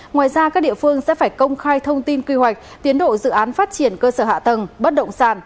ngoài ra các địa phương sẽ phải công khai thông tin quy hoạch tiến độ dự án phát triển cơ sở hạ tầng bất động sản